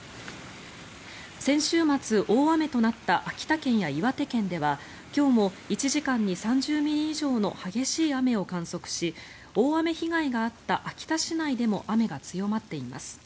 先週末、大雨となった秋田県や岩手県では今日も１時間に３０ミリ以上の激しい雨を観測し大雨被害があった秋田市内でも雨が強まっています。